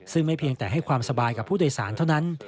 ซึ่งไม่เพียงแต่ให้ความสบายกับผู้โดยสารเท่านั้น